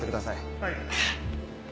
はい。